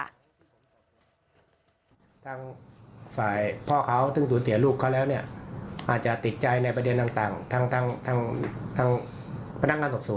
ทางฝ่ายพ่อเขาซึ่งสูญเสียลูกเขาแล้วนี่อาจจะติดใจในประเด็นนั่นต่าง